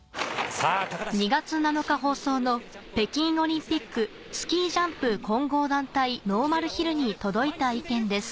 ２月７日放送の北京オリンピックスキージャンプ混合団体ノーマルヒルに届いた意見です